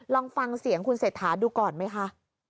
ลองฟังเสียงคุณเศรษฐาดูก่อนไหมคะ